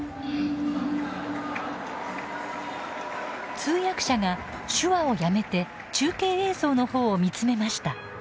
通訳者が手話をやめて中継映像のほうを見つめました。